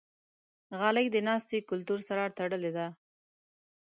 غالۍ د ناستې کلتور سره تړلې ده.